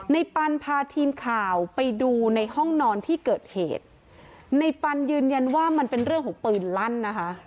ปันพาทีมข่าวไปดูในห้องนอนที่เกิดเหตุในปันยืนยันว่ามันเป็นเรื่องของปืนลั่นนะคะ